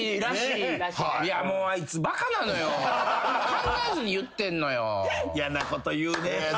考えずに言ってんのよ。